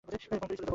পান করেই চলে যাবো।